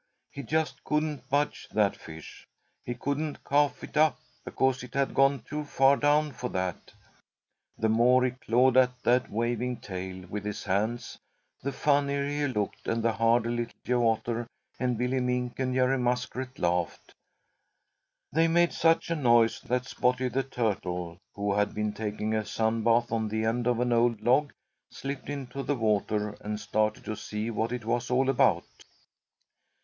He just couldn't budge that fish. He couldn't cough it up, because it had gone too far down for that. The more he clawed at that waving tail with his hands, the funnier he looked, and the harder Little Joe Otter and Billy Mink and Jerry Muskrat laughed. They made such a noise that Spotty the Turtle, who had been taking a sun bath on the end of an old log, slipped into the water and started to see what it was all about.